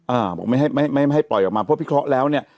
อ่าบอกไม่ให้ไม่ไม่ให้ปล่อยออกมาเพราะพิเคราะห์แล้วเนี่ย